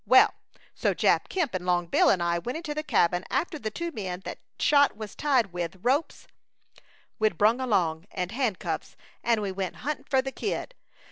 Well, so Jap Kemp and Long Bill and I went into the cabin after the two men that shot was tied with ropes we'd brung along, and handcuffs, and we went hunting for the Kid.